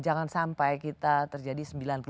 jangan sampai kita terjadi sembilan puluh delapan